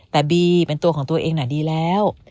แต่บีเป็นตัวของตัวเองน่ะดีแล้ว